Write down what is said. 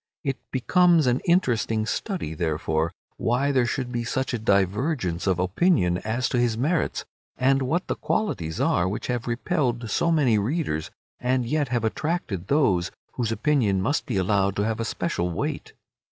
It becomes an interesting study, therefore, why there should be such a divergence of opinion as to his merits, and what the qualities are which have repelled so many readers, and yet have attracted those whose opinion must be allowed to have a special weight.